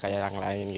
saya menggunakan kaki